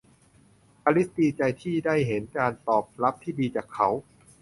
อลิซดีใจที่ได้เห็นการตอบรับที่ดีจากเขา